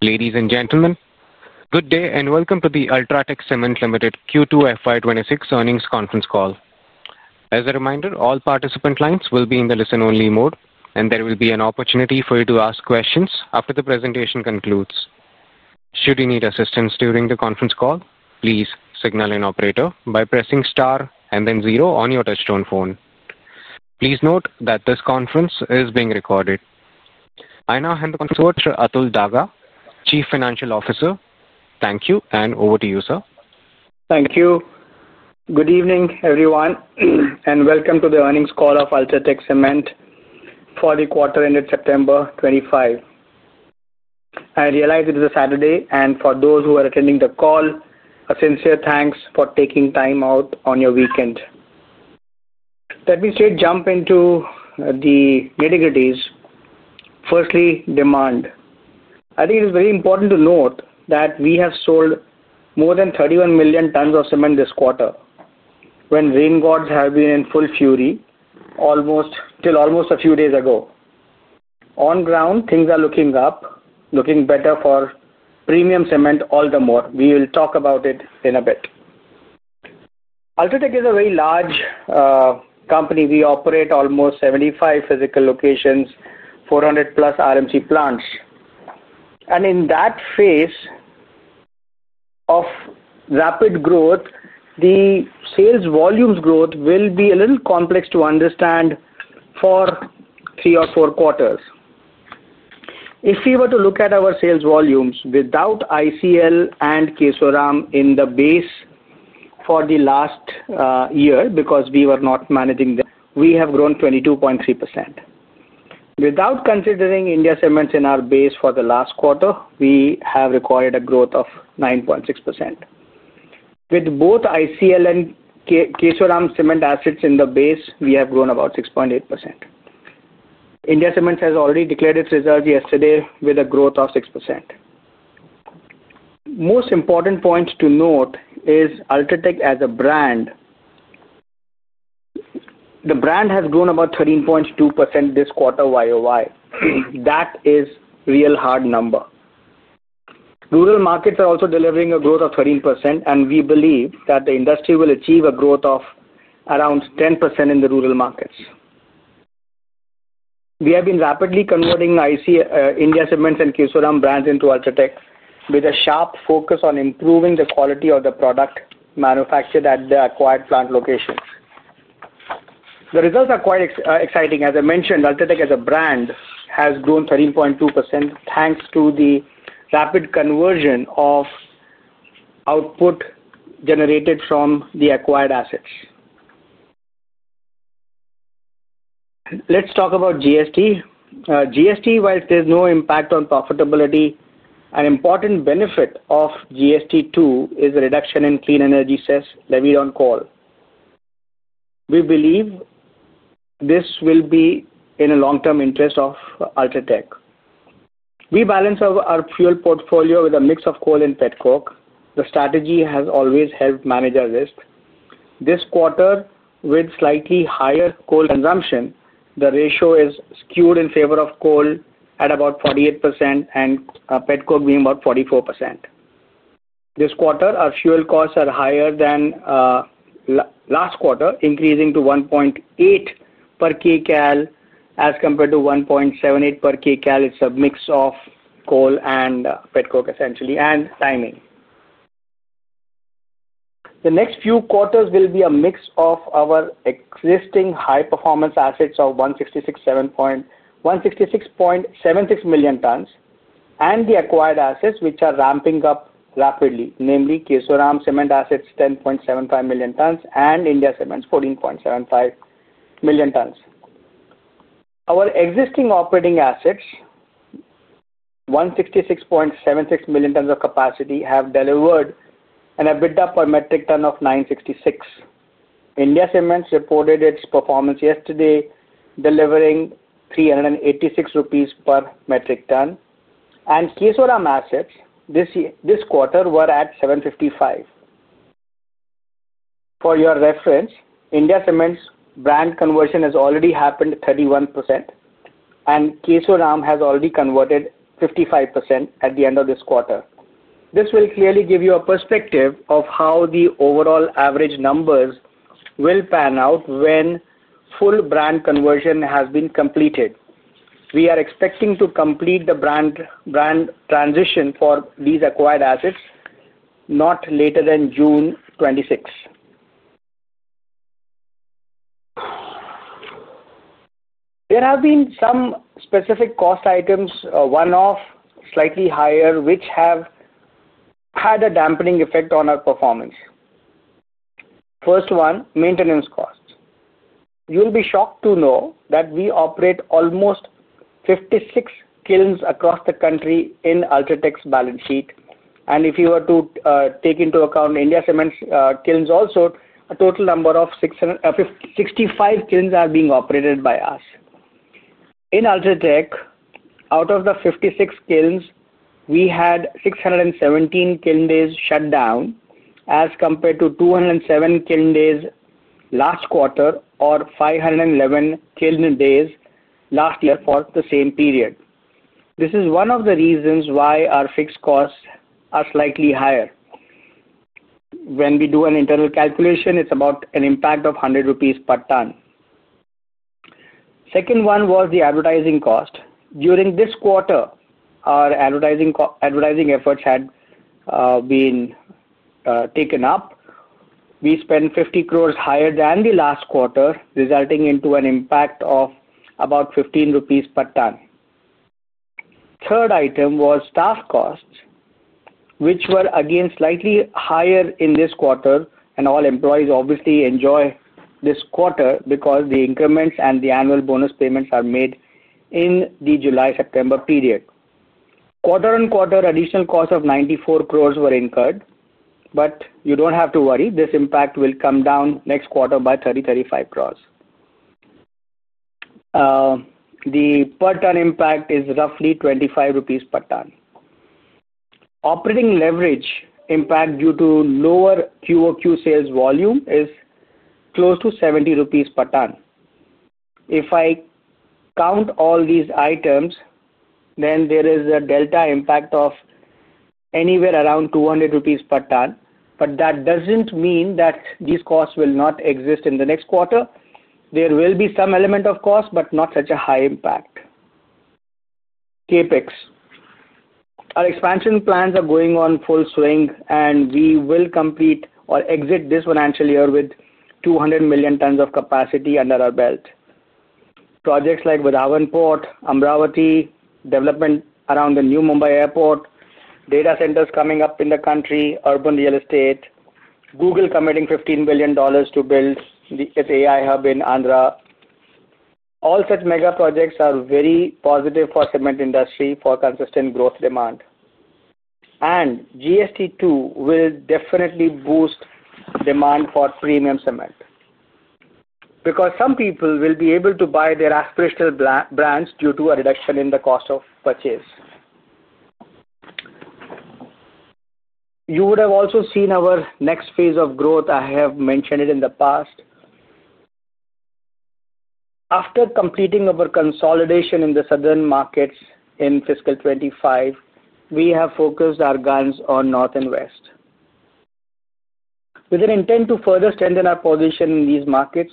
Ladies and gentlemen, good day and welcome to the UltraTech Cement Limited Q2 FY26 earnings conference call. As a reminder, all participant lines will be in the listen-only mode, and there will be an opportunity for you to ask questions after the presentation concludes. Should you need assistance during the conference call, please signal an operator by pressing star and then zero on your touchtone phone. Please note that this conference is being recorded. I now hand the conference to Mr. Atul Daga, Chief Financial Officer. Thank you, and over to you, sir. Thank you. Good evening, everyone, and welcome to the earnings call of UltraTech Cement for the quarter ended September 2025. I realize it is a Saturday, and for those who are attending the call, a sincere thanks for taking time out on your weekend. Let me straight jump into the nitty-gritty. Firstly, demand. I think it is very important to note that we have sold more than 31 million tons of cement this quarter when rain gods have been in full fury almost till almost a few days ago. On ground, things are looking up, looking better for premium cement all the more. We will talk about it in a bit. UltraTech is a very large company. We operate almost 75 physical locations, 400+ RMC plants. In that phase of rapid growth, the sales volumes growth will be a little complex to understand for three or four quarters. If we were to look at our sales volumes without ICL and Kesoram in the base for the last year, because we were not managing, we have grown 22.3%. Without considering The India Cements Limited in our base for the last quarter, we have recorded a growth of 9.6%. With both The ICL and Kesoram cement assets in the base, we have grown about 6.8%. The India Cements has already declared its results yesterday with a growth of 6%. Most important points to note is UltraTech as a brand. The brand has grown about 13.2% this quarter YoY. That is a real hard number. Rural markets are also delivering a growth of 13%, and we believe that the industry will achieve a growth of around 10% in the rural markets. We have been rapidly converting The India Cements and Kesoram brands into UltraTech with a sharp focus on improving the quality of the product manufactured at the acquired plant locations. The results are quite exciting. As I mentioned, UltraTech as a brand has grown 13.2% thanks to the rapid conversion of output generated from the acquired assets. Let's talk about GST. GST, while there's no impact on profitability, an important benefit of GST too is a reduction in clean energy sales levied on coal. We believe this will be in the long-term interest of UltraTech. We balance our fuel portfolio with a mix of coal and petcoke. The strategy has always helped manage our risk. This quarter, with slightly higher coal consumption, the ratio is skewed in favor of coal at about 48% and petcoke being about 44%. This quarter, our fuel costs are higher than last quarter, increasing to 1.8 per Kcal as compared to 1.78 per Kcal. It's a mix of coal and petcoke, essentially, and timing. The next few quarters will be a mix of our existing high-performance assets of 166.76 million tons and the acquired assets, which are ramping up rapidly, namely Kesoram cement assets, 10.75 million tons, and India Cements, 14.75 million tons. Our existing operating assets, 166.76 million tons of capacity, have delivered and have EBITDA per metric ton of 966. India Cements reported its performance yesterday, delivering 386 rupees per metric ton, and Kesoram assets this quarter were at 755. For your reference, India Cements' brand conversion has already happened 31%, and Kesoram has already converted 55% at the end of this quarter. This will clearly give you a perspective of how the overall average numbers will pan out when full brand conversion has been completed. We are expecting to complete the brand transition for these acquired assets not later than June 2026. There have been some specific cost items, one-off, slightly higher, which have had a dampening effect on our performance. First one, maintenance costs. You'll be shocked to know that we operate almost 56 kilns across the country in UltraTech's balance sheet. If you were to take into account India Cements' kilns also, a total number of 65 kilns are being operated by us. In UltraTech, out of the 56 kilns, we had 617 kiln days shut down as compared to 207 kiln days last quarter or 511 kiln days last year for the same period. This is one of the reasons why our fixed costs are slightly higher. When we do an internal calculation, it's about an impact of 100 rupees per ton. Second one was the advertising cost. During this quarter, our advertising efforts had been taken up. We spent 50 crores higher than the last quarter, resulting in an impact of about 15 rupees per ton. Third item was staff costs, which were, again, slightly higher in this quarter, and all employees obviously enjoy this quarter because the increments and the annual bonus payments are made in the July-September period. Quarter on quarter, additional costs of 94 crores were incurred, but you don't have to worry. This impact will come down next quarter by 30, 35 crores. The per ton impact is roughly 25 rupees per ton. Operating leverage impact due to lower QoQ sales volume is close to 70 rupees per ton. If I count all these items, then there is a delta impact of anywhere around 200 rupees per ton. That doesn't mean that these costs will not exist in the next quarter. There will be some element of cost, but not such a high impact. CapEx. Our expansion plans are going on full swing, and we will complete or exit this financial year with 200 million tons of capacity under our belt. Projects like Vadhavan Port, Amravati, development around the new Mumbai airport, data centers coming up in the country, urban real estate, Google committing $15 billion to build its AI hub in Andhra. All such mega projects are very positive for the cement industry for consistent growth demand. GST too will definitely boost demand for premium cement because some people will be able to buy their aspirational brands due to a reduction in the cost of purchase. You would have also seen our next phase of growth. I have mentioned it in the past. After completing our consolidation in the southern markets in fiscal 2025, we have focused our guns on North and West. With an intent to further strengthen our position in these markets,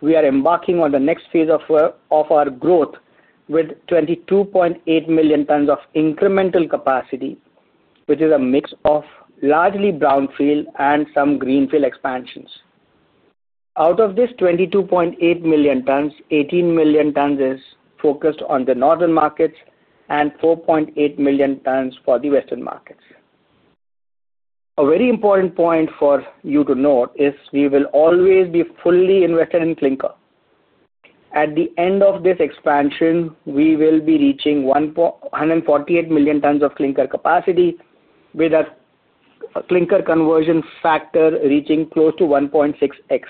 we are embarking on the next phase of our growth with 22.8 million tons of incremental capacity, which is a mix of largely brownfield and some greenfield expansions. Out of this 22.8 million tons, 18 million tons is focused on the northern markets and 4.8 million tons for the western markets. A very important point for you to note is we will always be fully invested in clinker. At the end of this expansion, we will be reaching 148 million tons of clinker capacity with a clinker conversion factor reaching close to 1.6x.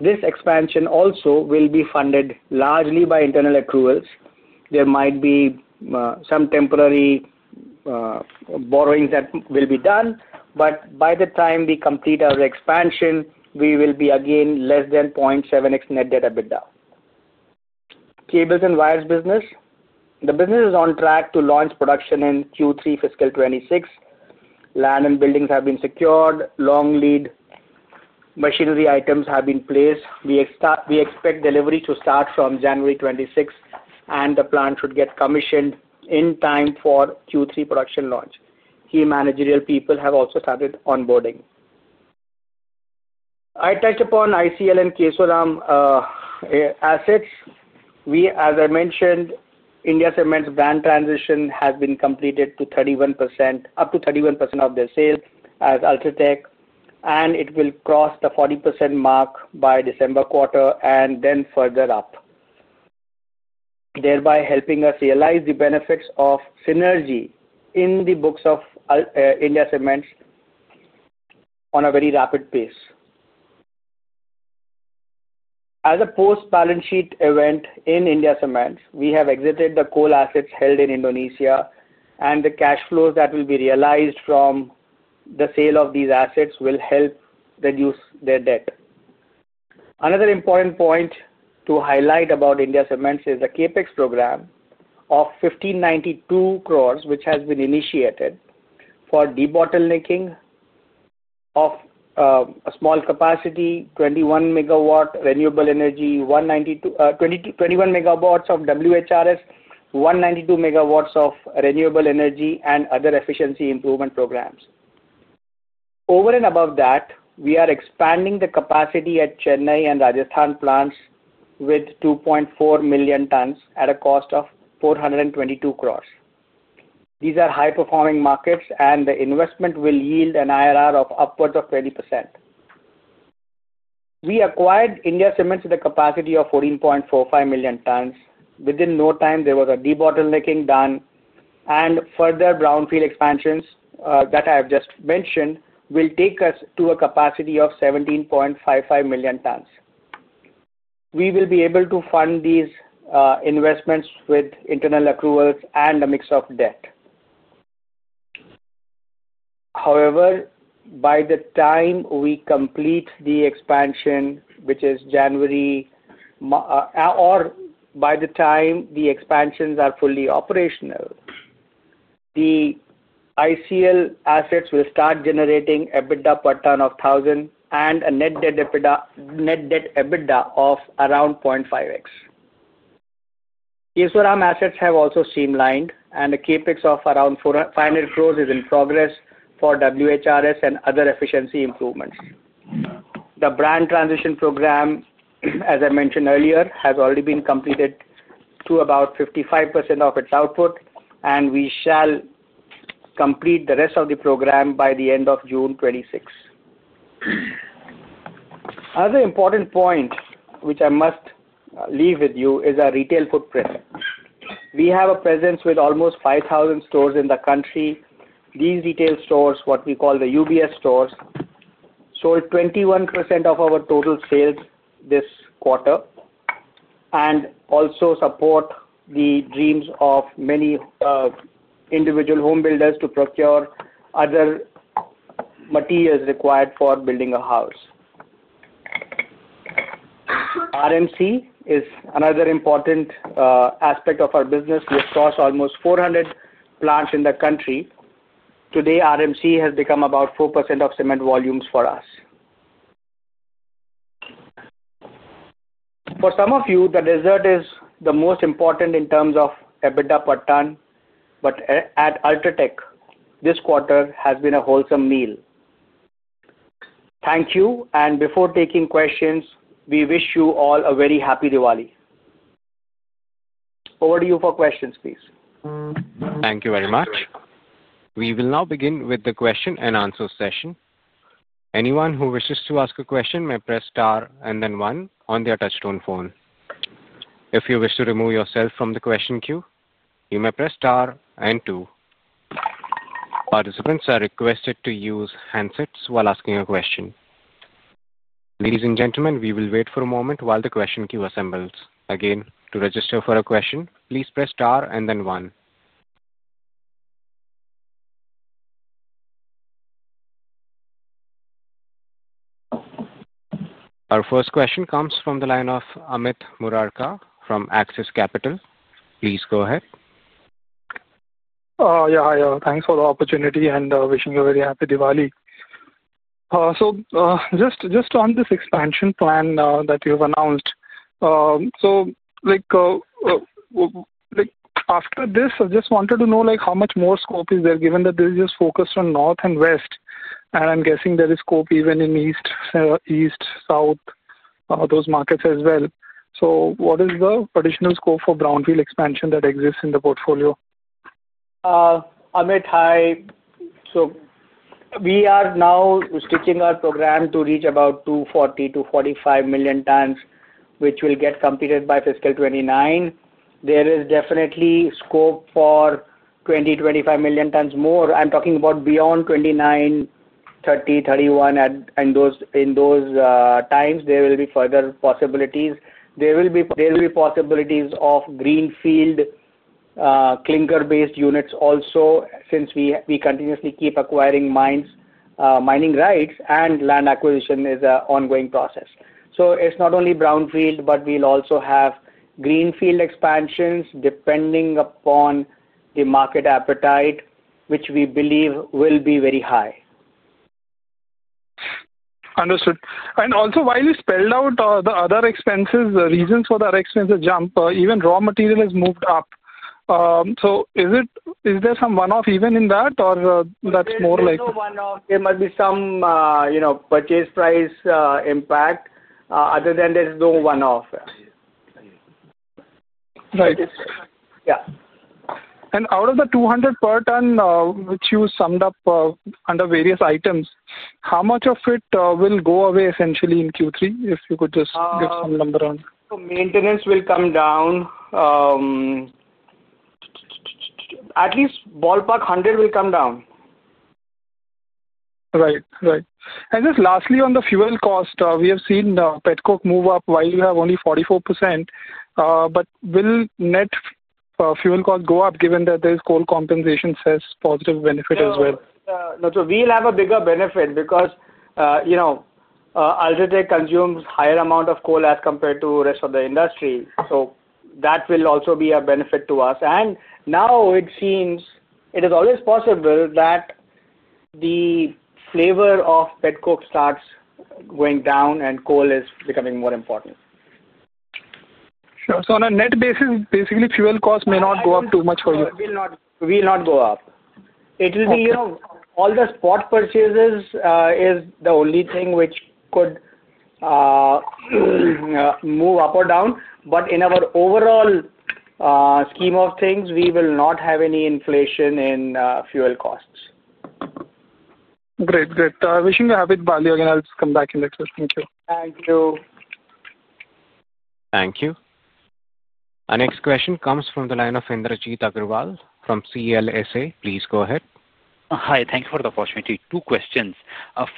This expansion also will be funded largely by internal accruals. There might be some temporary borrowings that will be done, but by the time we complete our expansion, we will be again less than 0.7x net debt/EBITDA. Cables and Wires business. The business is on track to launch production in Q3 fiscal 2026. Land and buildings have been secured. Long lead machinery items have been placed. We expect delivery to start from January 2026, and the plant should get commissioned in time for Q3 production launch. Key managerial people have also started onboarding. I touched upon ICL and Kesoram assets. As I mentioned, The India Cements' brand transition has been completed to 31%, up to 31% of their sales as UltraTech, and it will cross the 40% mark by December quarter and then further up, thereby helping us realize the benefits of synergy in the books of The India Cements on a very rapid pace. As a post-balance sheet event in The India Cements, we have exited the coal assets held in Indonesia, and the cash flows that will be realized from the sale of these assets will help reduce their debt. Another important point to highlight about The India Cements is the CapEx program of 1,592 crores, which has been initiated for debottlenecking of a small capacity, 21 MW renewable energy, 21 MW of WHRS, 192 MW of renewable energy, and other efficiency improvement programs. Over and above that, we are expanding the capacity at Chennai and Rajasthan plants with 2.4 million tons at a cost of 422 crores. These are high-performing markets, and the investment will yield an IRR of upwards of 30%. We acquired The India Cements at a capacity of 14.45 million tons. Within no time, there was a debottlenecking done, and further brownfield expansions that I have just mentioned will take us to a capacity of 17.55 million tons. We will be able to fund these investments with internal accruals and a mix of debt. However, by the time we complete the expansion, which is January, or by the time the expansions are fully operational, the ICL assets will start generating EBITDA per ton of 1,000 and a net debt/EBITDA of around 0.5x. Kesoram assets have also streamlined, and a CapEx of around 500 crores is in progress for WHRS and other efficiency improvements. The brand transition program, as I mentioned earlier, has already been completed to about 55% of its output, and we shall complete the rest of the program by the end of June 2026. Another important point which I must leave with you is our retail footprint. We have a presence with almost 5,000 stores in the country. These retail stores, what we call the UBS stores, sold 21% of our total sales this quarter and also support the dreams of many individual home builders to procure other materials required for building a house. RMC is another important aspect of our business. We have crossed almost 400 plants in the country. Today, RMC has become about 4% of cement volumes for us. For some of you, the dessert is the most important in terms of EBITDA per ton, but at UltraTech, this quarter has been a wholesome meal. Thank you. Before taking questions, we wish you all a very happy Diwali. Over to you for questions, please. Thank you very much. We will now begin with the question and answer session. Anyone who wishes to ask a question may press star and then one on their touchtone phone. If you wish to remove yourself from the question queue, you may press star and two. Participants are requested to use handsets while asking a question. Ladies and gentlemen, we will wait for a moment while the question queue assembles. Again, to register for a question, please press star and then one. Our first question comes from the line of Amit Murarka from Axis Capital. Please go ahead. Yeah, hi. Thanks for the opportunity and wishing you a very happy Diwali. Just on this expansion plan that you've announced, after this, I just wanted to know how much more scope is there given that this is just focused on North and West, and I'm guessing there is scope even in East, South, those markets as well. What is the additional scope for brownfield expansion that exists in the portfolio? Amit, hi. We are now stitching our program to reach about 240 million- 245 million tons, which will get completed by fiscal 2029. There is definitely scope for 20 million- 25 million tons more. I'm talking about beyond 2029, 2030, 2031, and in those times, there will be further possibilities. There will be possibilities of greenfield clinker-based units also since we continuously keep acquiring mining rights, and land acquisition is an ongoing process. It's not only brownfield, but we'll also have greenfield expansions depending upon the market appetite, which we believe will be very high. Understood. While you spelled out the other expenses, the reasons for the other expenses jump, even raw material has moved up. Is there some one-off even in that, or that's more like? There's no one-off. There might be some, you know, purchase price impact. Other than that, there's no one-off. Right. Out of the 200 per ton, which you summed up under various items, how much of it will go away essentially in Q3? If you could just give some number on that. Maintenance will come down. At least ballpark 100 will come down. Right. Right. Just lastly, on the fuel cost, we have seen the Pet Coke move up while you have only 44%. Will net fuel cost go up given that there's coal compensation says positive benefit as well? We will have a bigger benefit because UltraTech consumes a higher amount of coal as compared to the rest of the industry. That will also be a benefit to us. It seems it is always possible that the flavor of petcoke starts going down and coal is becoming more important. Sure. On a net basis, basically, fuel costs may not go up too much for you. It will not go up. All the spot purchases is the only thing which could move up or down, but in our overall scheme of things, we will not have any inflation in fuel costs. Great. Great. Wishing you a happy Diwali again. I'll just come back in the next question. Thank you. Thank you. Thank you. Our next question comes from the line of Indrajit Agarwal from CLSA. Please go ahead. Hi. Thank you for the opportunity. Two questions.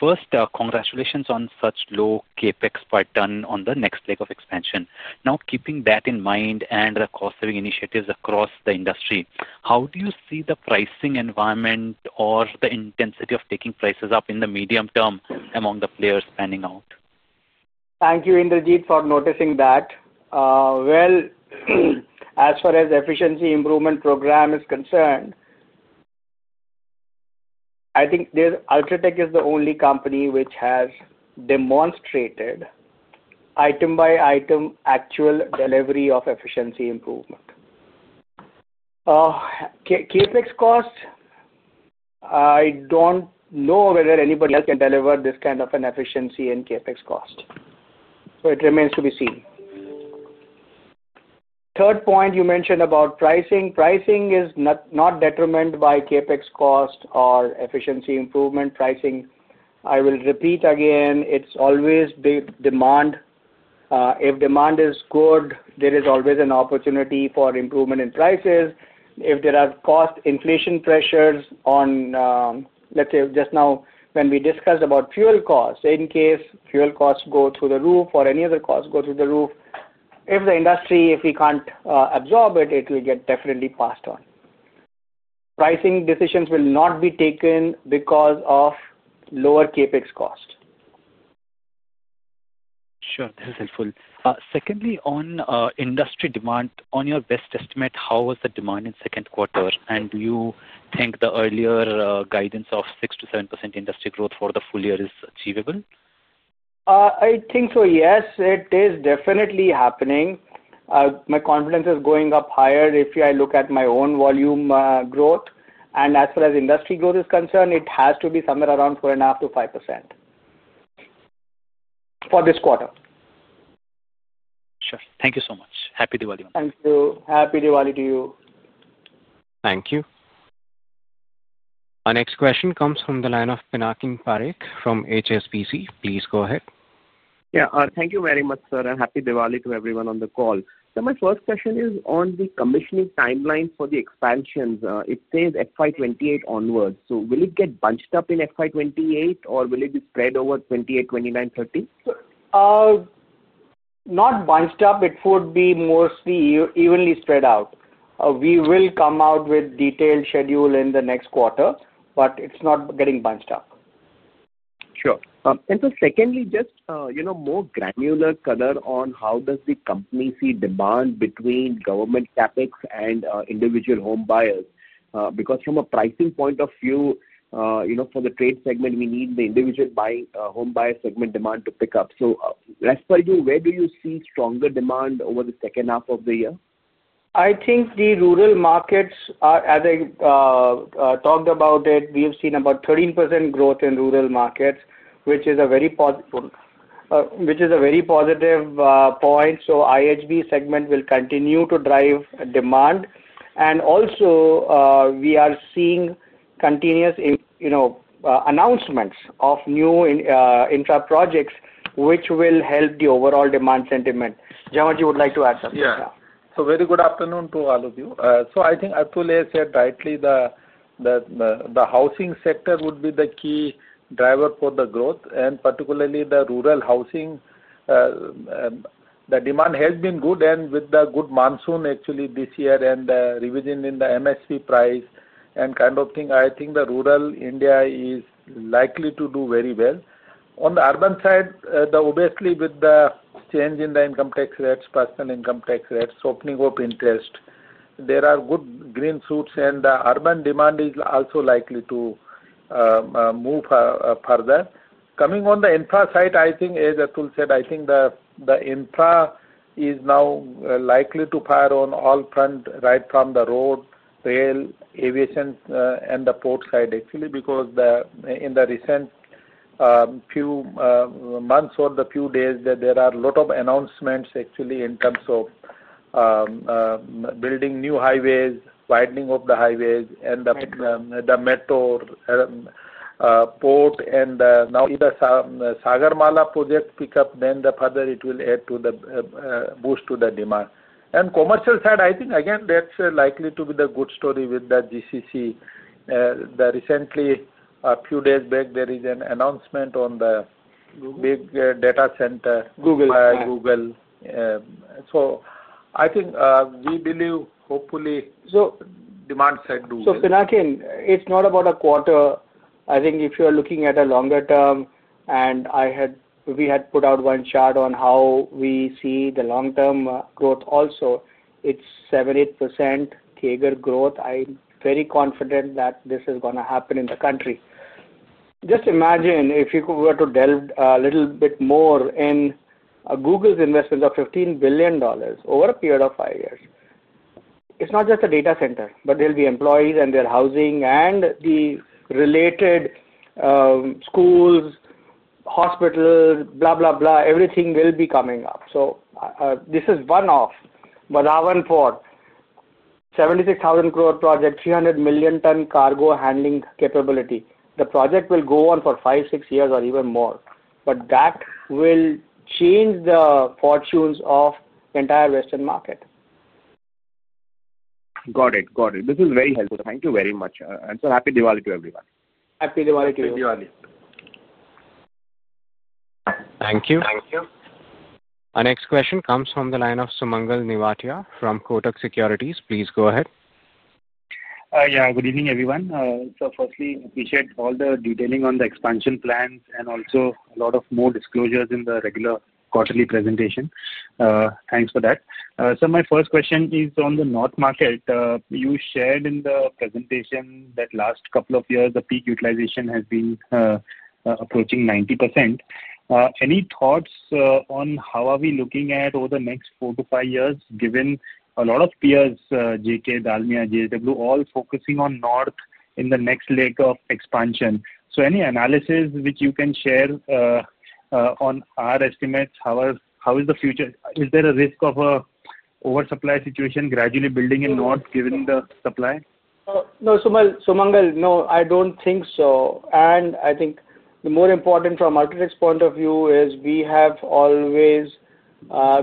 First, congratulations on such low CapEx per ton on the next leg of expansion. Now, keeping that in mind and the cost-saving initiatives across the industry, how do you see the pricing environment or the intensity of taking prices up in the medium term among the players standing out? Thank you, Indrajit, for noticing that. As far as the efficiency improvement program is concerned, I think UltraTech is the only company which has demonstrated item-by-item actual delivery of efficiency improvement. CapEx cost, I don't know whether anybody else can deliver this kind of an efficiency in CapEx cost. It remains to be seen. The third point you mentioned about pricing. Pricing is not determined by CapEx cost or efficiency improvement. Pricing, I will repeat again, it's always demand. If demand is good, there is always an opportunity for improvement in prices. If there are cost inflation pressures on, let's say, just now when we discussed about fuel costs, in case fuel costs go through the roof or any other costs go through the roof, if the industry, if we can't absorb it, it will get definitely passed on. Pricing decisions will not be taken because of lower CapEx cost. Sure. That is helpful. Secondly, on industry demand, on your best estimate, how was the demand in the second quarter? Do you think the earlier guidance of 6%-7% industry growth for the full year is achievable? I think so, yes. It is definitely happening. My confidence is going up higher if I look at my own volume growth. As far as industry growth is concerned, it has to be somewhere around 4.5%-5% for this quarter. Sure. Thank you so much. Happy Diwali. Thank you. Happy Diwali to you. Thank you. Our next question comes from the line of Pinakin Parekh from HSBC. Please go ahead. Thank you very much, sir, and happy Diwali to everyone on the call. My first question is on the commissioning timeline for the expansions. It says FY 2028 onwards. Will it get bunched up in FY 2028, or will it be spread over 2028, 2029, 2030? Not bunched up. It would be mostly evenly spread out. We will come out with a detailed schedule in the next quarter, but it's not getting bunched up. Sure. Secondly, just more granular color on how does the company see demand between government CapEx and individual home buyers? Because from a pricing point of view, for the trade segment, we need the individual home buyer segment demand to pick up. As per you, where do you see stronger demand over the second half of the year? I think the rural markets, as I talked about it, we have seen about 13% growth in rural markets, which is a very positive point. The IHB segment will continue to drive demand. We are seeing continuous announcements of new intra-projects, which will help the overall demand sentiment. Jhanwar would like to add something. Yeah. Very good afternoon to all of you. I think Atul has said rightly that the housing sector would be the key driver for the growth, particularly the rural housing. The demand has been good, and with the good monsoon this year and the revision in the MSP price and kind of thing, I think rural India is likely to do very well. On the urban side, obviously, with the change in the income tax rates, personal income tax rates, opening of interest, there are good green shoots, and the urban demand is also likely to move further. Coming on the infra side, I think, as Atul said, the infra is now likely to fire on all fronts, right from the road, rail, aviation, and the port side, because in the recent few months or the few days, there are a lot of announcements in terms of building new highways, widening of the highways, and the metro port. If the Sagarmala project picks up, then further it will add to the boost to the demand. On the commercial side, I think, again, that's likely to be the good story with the GCC. Recently, a few days back, there is an announcement on the big data center. Google. Google, I think we believe, hopefully, demand side do well. Pinar Ken, it's not about a quarter. I think if you are looking at a longer term, and we had put out one chart on how we see the long-term growth also, it's 7%, 8% CAGR growth. I'm very confident that this is going to happen in the country. Just imagine if you were to delve a little bit more in Google's investments of $15 billion over a period of five years. It's not just a data center, but there'll be employees and their housing and the related schools, hospitals, blah, blah, blah. Everything will be coming up. This is one-off. Vadhavan Port, 76,000-crew project, 300-million-ton cargo handling capability. The project will go on for five, six years, or even more. That will change the fortunes of the entire Western market. Got it. Got it. This is very helpful. Thank you very much. Happy Diwali to everyone. Happy Diwali to you. Happy Diwali. Thank you. Thank you. Our next question comes from the line of Sumangal Nevatia from Kotak Securities. Please go ahead. Yeah. Good evening, everyone. Firstly, I appreciate all the detailing on the expansion plans and also a lot more disclosures in the regular quarterly presentation. Thanks for that. My first question is on the North market. You shared in the presentation that the last couple of years, the peak utilization has been approaching 90%. Any thoughts on how we are looking at over the next four to five years, given a lot of peers, JK, Dalmia, JSW, all focusing on North in the next leg of expansion? Any analysis which you can share on our estimates? How is the future? Is there a risk of an oversupply situation gradually building in North, given the supply? No, Sumangal, no, I don't think so. I think the more important from UltraTech's point of view is we have always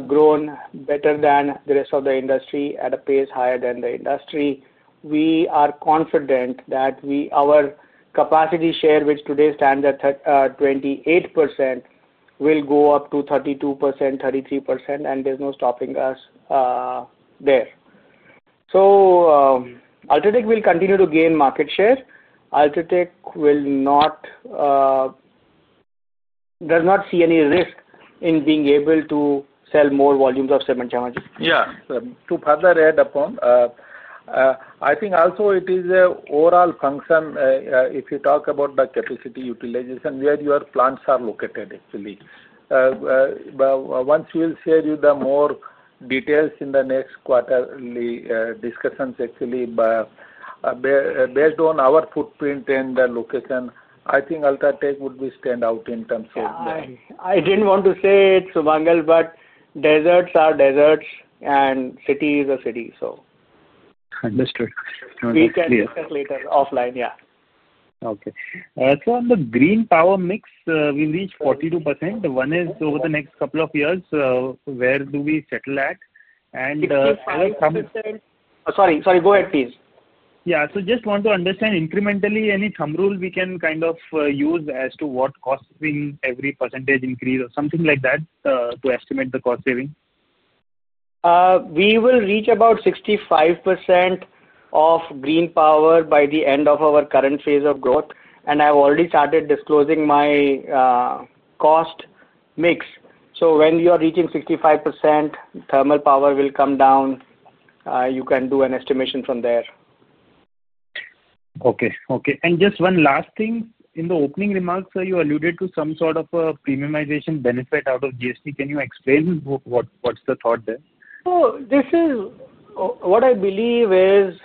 grown better than the rest of the industry at a pace higher than the industry. We are confident that our capacity share, which today stands at 28%, will go up to 32%, 33%, and there's no stopping us there. UltraTech will continue to gain market share. UltraTech does not see any risk in being able to sell more volumes of cement. Yeah. To further add upon, I think also it is an overall function. If you talk about the capacity utilization where your plants are located, actually, once we will share you the more details in the next quarterly discussions, actually. Based on our footprint and the location, I think UltraTech would stand out in terms of. I didn't want to say it, Sumangal, but deserts are deserts and cities are cities. Understood. We can discuss later offline, yeah. Okay. On the green power mix, we reach 42%. Over the next couple of years, where do we settle at? Sorry, go ahead, please. Yeah, just want to understand incrementally any thumb rule we can kind of use as to what cost saving every percentage increase or something like that to estimate the cost saving? We will reach about 65% of green power by the end of our current phase of growth. I have already started disclosing my cost mix. When you are reaching 65%, thermal power will come down. You can do an estimation from there. Okay. Okay. Just one last thing. In the opening remarks, you alluded to some sort of a premiumization benefit out of GST. Can you explain what's the thought there? This is what I believe is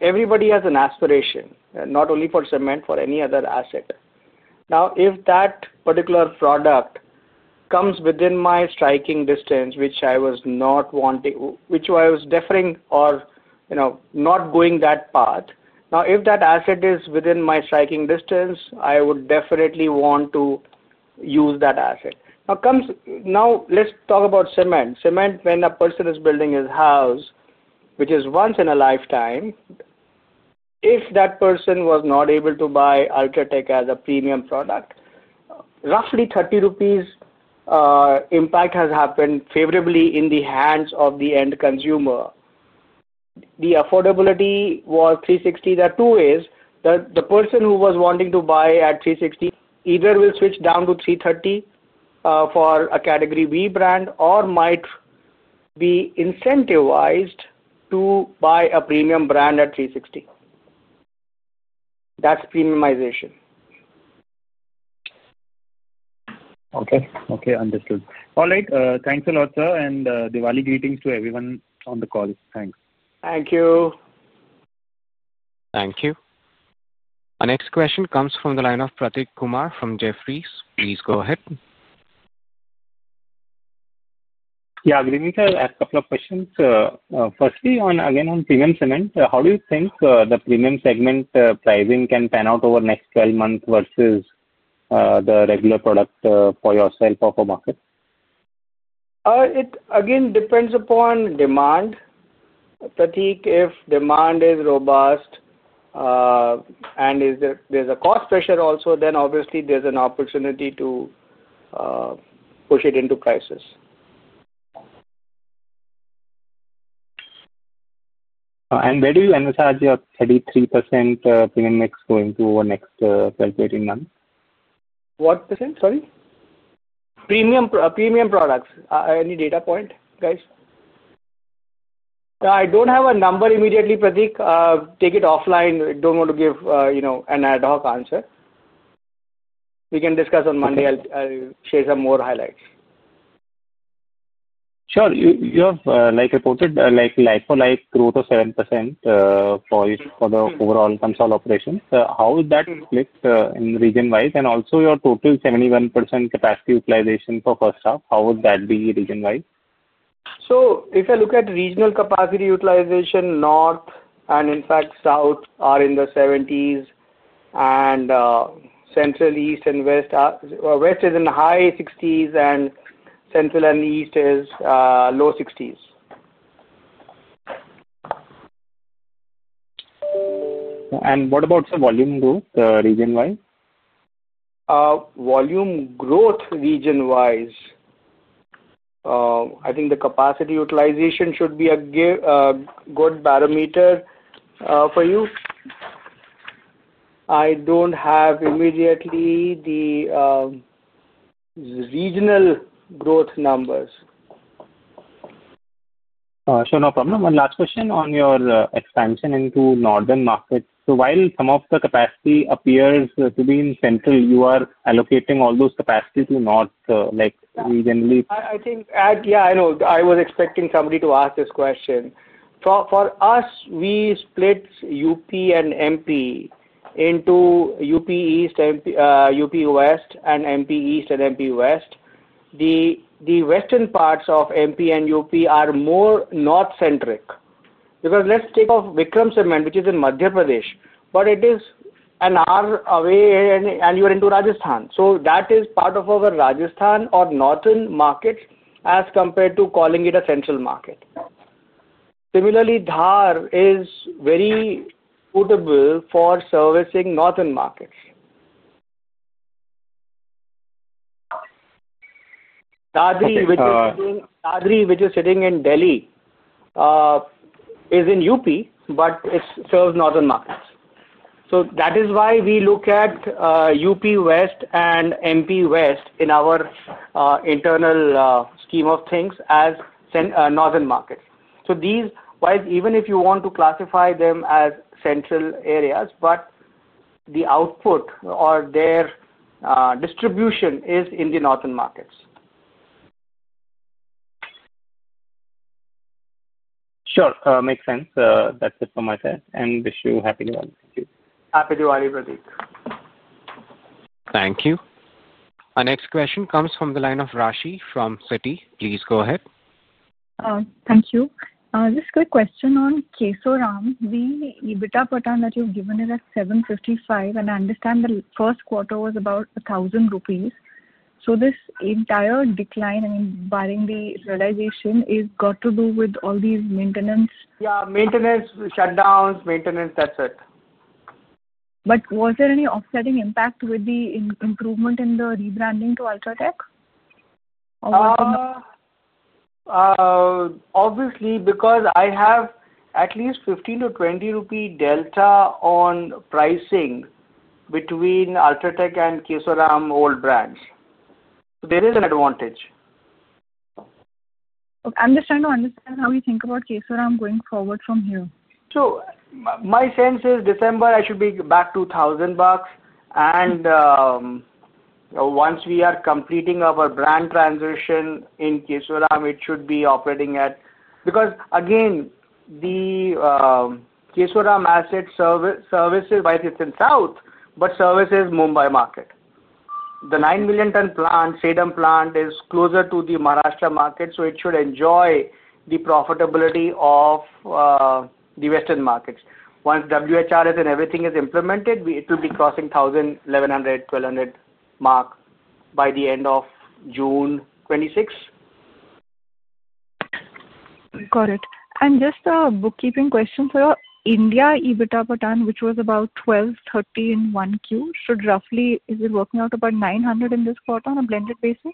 everybody has an aspiration, not only for cement, for any other asset. If that particular product comes within my striking distance, which I was not wanting, which I was deferring or not going that path, if that asset is within my striking distance, I would definitely want to use that asset. Let's talk about cement. Cement, when a person is building his house, which is once in a lifetime, if that person was not able to buy UltraTech as a premium product, roughly 30 rupees impact has happened favorably in the hands of the end consumer. The affordability was 360. The two is the person who was wanting to buy at 360 either will switch down to 330 for a category B brand or might be incentivized to buy a premium brand at 360. That's premiumization. Okay. Okay. Understood. All right. Thanks a lot, sir. Diwali greetings to everyone on the call. Thanks. Thank you. Thank you. Our next question comes from the line of Prateek Kumar from Jefferies. Please go ahead. Yeah. I'll give you a couple of questions. Firstly, again, on premium cement, how do you think the premium segment pricing can pan out over the next 12 months versus the regular product for yourself or for market? It again depends upon demand. If demand is robust and there's a cost pressure also, then obviously there's an opportunity to push it into prices. Where do you emphasize your 33% premium mix going to over the next 12 to 18 months? What? Percent, sorry? Premium products. Any data point, guys? I don't have a number immediately, Prateek. Take it offline. I don't want to give an ad hoc answer. We can discuss on Monday. I'll share some more highlights. Sure. You have reported like-for-like growth of 7% for the overall consult operations. How would that reflect in region-wise? Also, your total 71% capacity utilization for first half, how would that be region-wise? If I look at regional capacity utilization, North and in fact, South are in the 70s, and Central, East, and West are, West is in the high 60s, and Central and East is low 60s. What about the volume growth region-wise? Volume growth region-wise, I think the capacity utilization should be a good barometer for you. I don't have immediately the regional growth numbers. Sure. No problem. Last question on your expansion into northern markets. While some of the capacity appears to be in Central, you are allocating all those capacity to North regionally. I know I was expecting somebody to ask this question. For us, we split UP and MP into UP East, UP West, and MP East and MP West. The western parts of MP and UP are more North-centric because let's take off Vikram Cement, which is in Madhya Pradesh, but it is an hour away and you're into Rajasthan. That is part of our Rajasthan or northern market as compared to calling it a central market. Similarly, Dhar is very suitable for servicing northern markets. Dadri, which is sitting in Delhi, is in UP, but it serves northern markets. That is why we look at UP West and MP West in our internal scheme of things as northern markets. Even if you want to classify them as central areas, the output or their distribution is in the northern markets. Sure, makes sense. That's it from my side, and wish you happy Diwali. Happy Diwali, Prateek. Thank you. Our next question comes from the line of Rashi from Citi. Please go ahead. Thank you. Just a quick question on Kesoram. The EBITDA per ton that you've given is at 755, and I understand the first quarter was about 1,000 rupees. This entire decline, barring the realization, has got to do with all these maintenance. Yeah, maintenance shutdowns, maintenance, that's it. Was there any offsetting impact with the improvement in the rebranding to UltraTech? Obviously, because I have at least 15 to 20 delta on pricing between UltraTech and Kesoram old brands, there is an advantage. Okay. I'm just trying to understand how you think about Kesoram going forward from here. My sense is December, I should be back to INR 1,000. Once we are completing our brand transition in Kesoram, it should be operating at, because again, the Kesoram asset services-wise, it's in South but services Mumbai market. The 9 million-ton plant, Sedam plant, is closer to the Maharashtra market, so it should enjoy the profitability of the western markets. Once WHRS and everything is implemented, it will be crossing 1,000, 1,100, 1,200 mark by the end of June 2026. Got it. Just a bookkeeping question for you. India EBITDA per ton, which was about 1,230 in Q1, should roughly, is it working out about 900 in this quarter on a blended basis?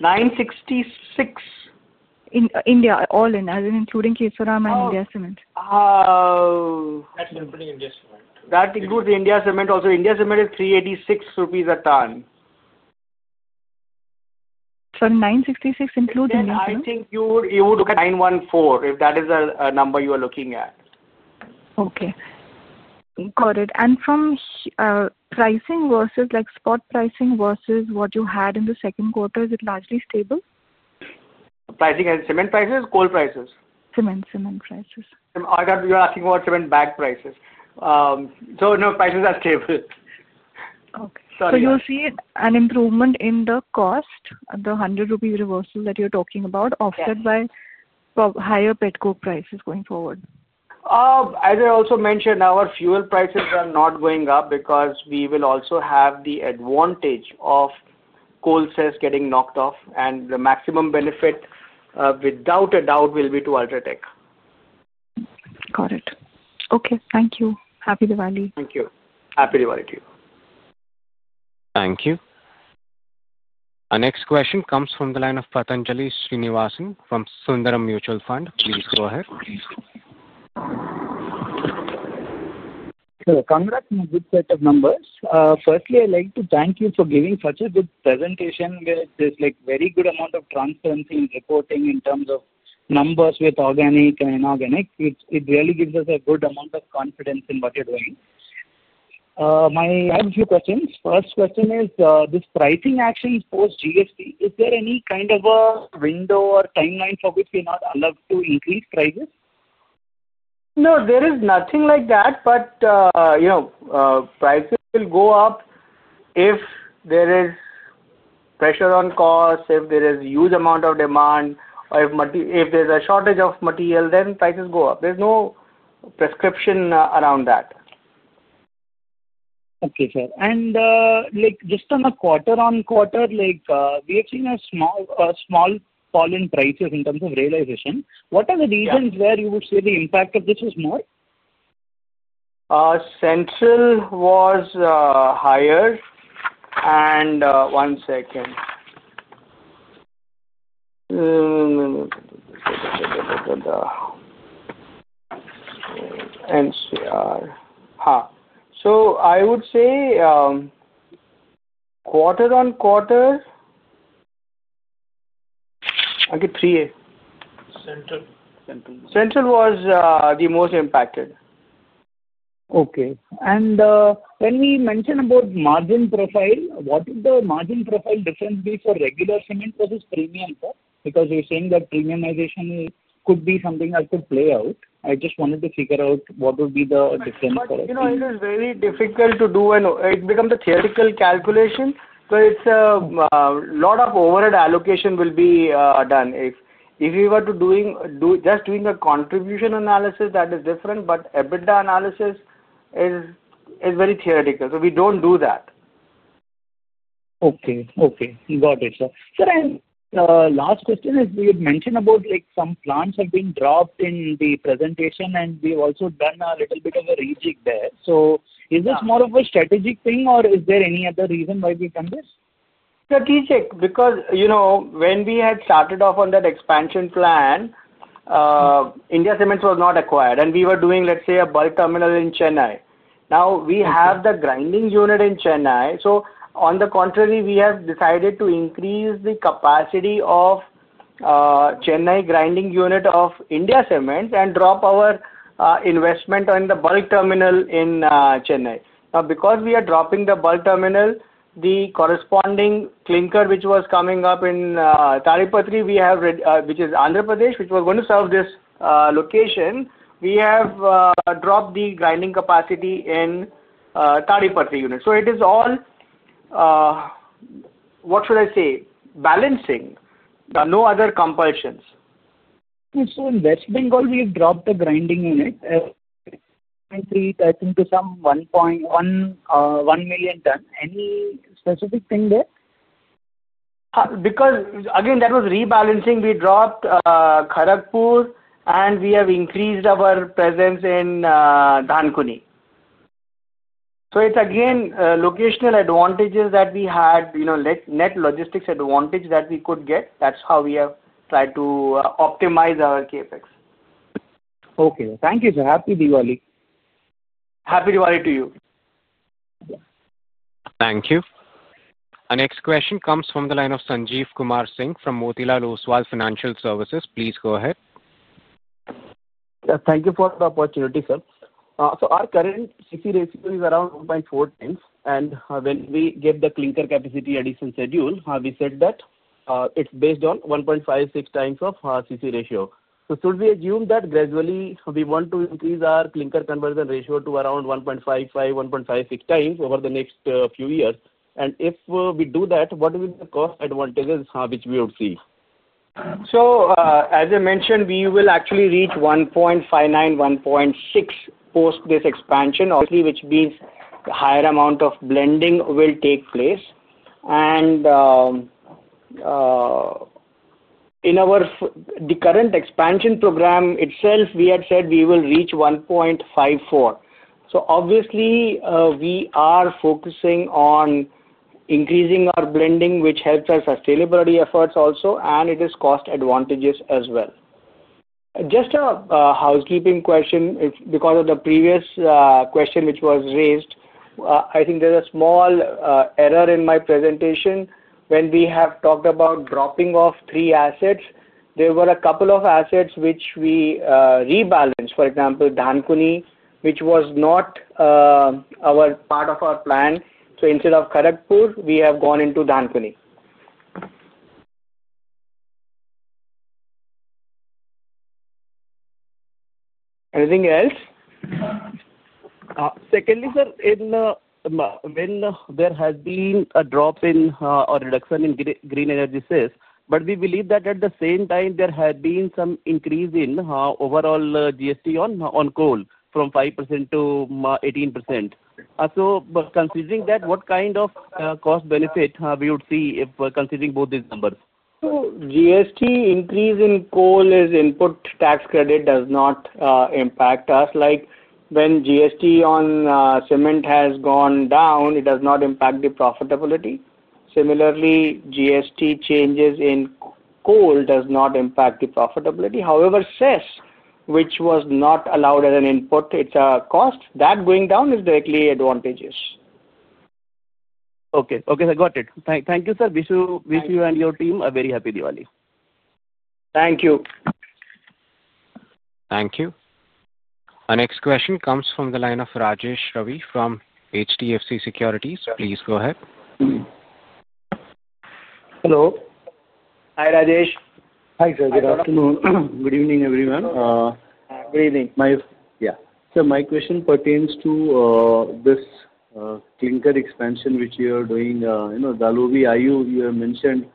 966. In India, all in, as in including Kesoram and The India Cements. That's including The India Cements Limited. That includes The India Cements Limited also. The India Cements Limited is 386 rupees a ton. 966 includes The India Cements Limited. I think you would look at 914 if that is a number you are looking at. Okay. Got it. From pricing versus like spot pricing versus what you had in the second quarter, is it largely stable? Pricing as in cement prices, coal prices? Cement prices. You're asking about cement bag prices. No, prices are stable. You'll see an improvement in the cost, the 100 rupee reversal that you're talking about, offset by higher petcoke prices going forward. As I also mentioned, our fuel prices are not going up because we will also have the advantage of coal sales getting knocked off. The maximum benefit, without a doubt, will be to UltraTech. Got it. Okay, thank you. Happy Diwali. Thank you. Happy Diwali to you. Thank you. Our next question comes from the line of Patanjali Srinivasan from Sundaram Mutual Fund. Please go ahead. Congratulations on a good set of numbers. Firstly, I'd like to thank you for giving such a good presentation with this very good amount of transparency in reporting in terms of numbers with organic and inorganic. It really gives us a good amount of confidence in what you're doing. I have a few questions. First question is, this pricing action post-GST, is there any kind of a window or timeline for which we're not allowed to increase prices? No, there is nothing like that. You know prices will go up if there is pressure on costs, if there is a huge amount of demand, or if there's a shortage of material, then prices go up. There's no prescription around that. Okay, sir. Just on a quarter on quarter, we have seen a small fall in prices in terms of realization. What are the reasons where you would say the impact of this is more? Central was higher. One second. NCR. I would say quarter on quarter, I'll give 3A. Central. Central was the most impacted. Okay. When we mention about margin profile, what would the margin profile difference be for regular cement versus premium, sir? You're saying that premiumization could be something that could play out. I just wanted to figure out what would be the difference for us. It is very difficult to do, and it becomes a theoretical calculation because a lot of overhead allocation will be done. If we were to do just doing a contribution analysis, that is different. EBITDA analysis is very theoretical. We don't do that. Okay. Got it, sir. Sir, last question is, we had mentioned about like some plants have been dropped in the presentation, and we've also done a little bit of a rejig there. Is this more of a strategic thing, or is there any other reason why we've done this? Strategic because you know when we had started off on that expansion plan, The India Cements was not acquired, and we were doing, let's say, a bulk terminal in Chennai. Now we have the grinding unit in Chennai. On the contrary, we have decided to increase the capacity of the Chennai grinding unit of The India Cements and drop our investment on the bulk terminal in Chennai. Now, because we are dropping the bulk terminal, the corresponding clinker, which was coming up in Tadipatri, which is Andhra Pradesh, which was going to serve this location, we have dropped the grinding capacity in Tadipatri unit. It is all, what should I say, balancing. There are no other compulsions. In West Bengal, we've dropped the grinding unit and created, I think, to some 1.1 million ton. Any specific thing there? Because, again, that was rebalancing. We dropped Kharagpur, and we have increased our presence in Dankuni. It's, again, locational advantages that we had, you know, net logistics advantage that we could get. That's how we have tried to optimize our CapEx. Okay, thank you, sir. Happy Diwali. Happy Diwali to you. Thank you. Our next question comes from the line of Sanjeev Kumar Singh from Motilal Oswal Financial Services. Please go ahead. Thank you for the opportunity, sir. Our current CC ratio is around 1.4x. When we gave the clinker capacity addition schedule, we said that it's based on 1.56x of CC ratio. Should we assume that gradually we want to increase our clinker conversion ratio to around 1.55x, 1.56 times over the next few years? If we do that, what would be the cost advantages which we would see? As I mentioned, we will actually reach 1.59, 1.6 post this expansion, which means a higher amount of blending will take place. In our current expansion program itself, we had said we will reach 1.54. We are focusing on increasing our blending, which helps our sustainability efforts also, and it is cost advantageous as well. Just a housekeeping question, because of the previous question which was raised, I think there's a small error in my presentation. When we have talked about dropping off three assets, there were a couple of assets which we rebalanced. For example, Dankuni, which was not part of our plan. Instead of Kharagpur, we have gone into Dankuni. Anything else? Secondly, sir, when there has been a drop in or reduction in green energy sales, we believe that at the same time, there has been some increase in overall GST on coal from 5% to 18%. Considering that, what kind of cost benefit would we see if we're considering both these numbers? GST increase in coal is input tax credit, does not impact us. Like when GST on cement has gone down, it does not impact the profitability. Similarly, GST changes in coal does not impact the profitability. However, sales which was not allowed as an input, it's a cost. That going down is directly advantageous. Okay. I got it. Thank you, sir. Wish you and your team a very happy Diwali. Thank you. Thank you. Our next question comes from the line of Rajesh Ravi from HDFC Securities. Please go ahead. Hello. Hi, Rajesh. Hi, sir. Good afternoon. Good evening, everyone. Good evening. Yeah. My question pertains to this clinker expansion which you are doing. Atul Daga, you mentioned,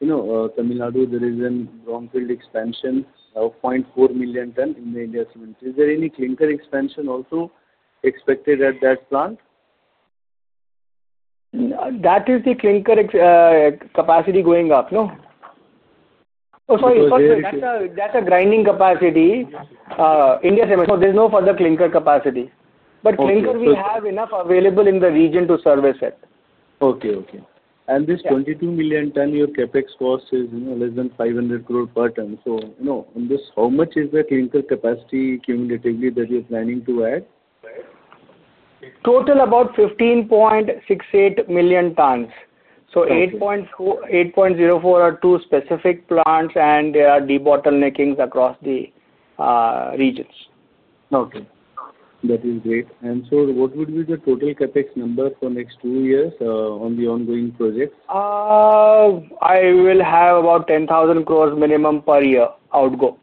you know, Tamil Nadu, there is a brownfield expansion of 0.4 million ton in The India Cements. Is there any clinker expansion also expected at that plant? That is the clinker capacity going up. No, sorry, that's a grinding capacity. The India Cements Limited, so there's no further clinker capacity. Clinker, we have enough available in the region to service it. Okay. Okay. This 22 million ton, your CapEx cost is less than 500 crore per ton. On this, how much is the clinker capacity cumulatively that you're planning to add? Total about 15.68 million tons. 8.04 are two specific plants, and there are debottleneckings across the regions. Okay. That is great. What would be the total CapEx number for the next two years on the ongoing projects? I will have about 10 billion minimum per year outgo.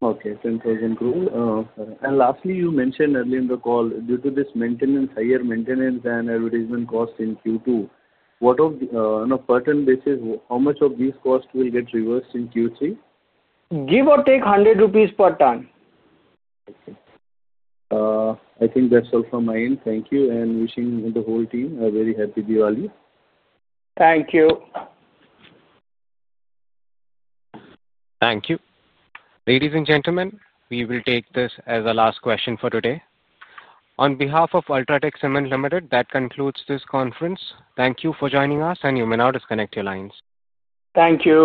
Okay. 10,000 crore. Lastly, you mentioned earlier in the call, due to this maintenance, higher maintenance and advertisement costs in Q2, on a per ton basis, how much of these costs will get reversed in Q3? Give or take 100 rupees per ton. I think that's all from my end. Thank you, and wishing the whole team a very happy Diwali. Thank you. Thank you. Ladies and gentlemen, we will take this as a last question for today. On behalf of UltraTech Cement Limited, that concludes this conference. Thank you for joining us, and you may now disconnect your lines. Thank you.